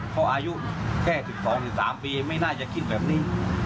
เขาอายุแค่๑๒๑๓ปีไม่น่าจะคิดแบบนี้